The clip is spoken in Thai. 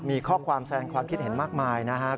มีข้อความแสงความคิดเห็นมากมายนะครับ